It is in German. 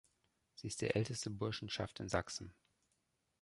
Sie ist die älteste Burschenschaft in Sachsen.